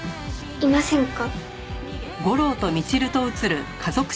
いませんか？